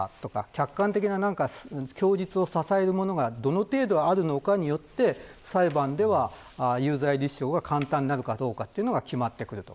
客観的な、供述を支えるものがどの程度あるのかによって裁判では有罪の立証が簡単になるか決まってくると